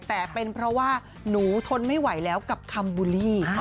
แต่เป็นเพราะว่าหนูทนไม่ไหวแล้วกับคัมบูลลี่